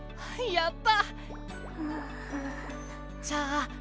やった！